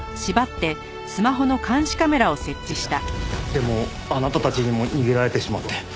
でもあなたたちにも逃げられてしまって。